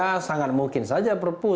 ya sangat mungkin saja perpuluh